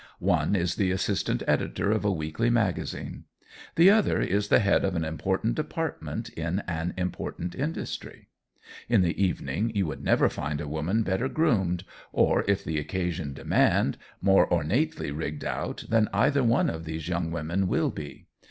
One is the assistant editor of a weekly magazine. The other is the head of an important department in an important industry. In the evening you would never find a woman better groomed or, if the occasion demand, more ornately rigged out than either one of these young women will be.